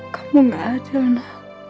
kamu gak adil nino